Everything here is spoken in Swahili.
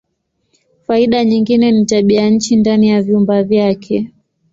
Faida nyingine ni tabianchi ndani ya vyumba vyake.